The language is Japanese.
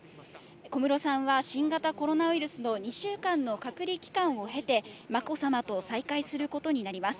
小室さんは新型コロナウイルスの２週間の隔離期間を経て、まこさまと再会することになります。